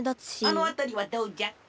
あのあたりはどうじゃ？